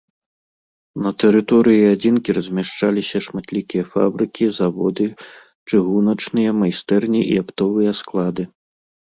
На тэрыторыі адзінкі размяшчаліся шматлікія фабрыкі, заводы, чыгуначныя майстэрні і аптовыя склады.